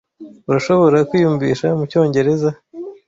Urashobora kwiyumvisha mucyongereza?